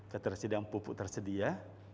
ketersediaan pupuk tersedia